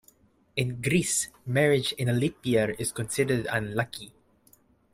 In Greece, marriage in a leap year is considered unlucky.